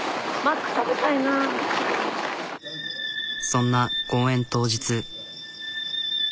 そんな公演当日。